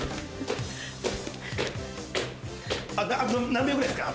何秒ぐらいですか？